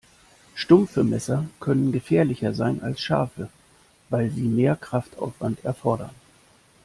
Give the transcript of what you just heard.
Stumpfe Messer können gefährlicher sein als scharfe, weil sie mehr Kraftaufwand erfordern.